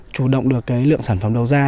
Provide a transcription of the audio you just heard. chủ động được cái lượng sản phẩm đầu ra